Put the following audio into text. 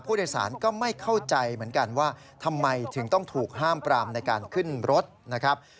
ผู้โดยสารก็ไม่เข้าใจเหมือนกันว่าทำไมถึงต้องถูกห้ามปรามในการขึ้นรถนะครับ